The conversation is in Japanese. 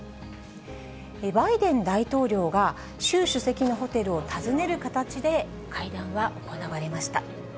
バイデン大統領が習主席のホテルを訪ねる形で会談は行われました。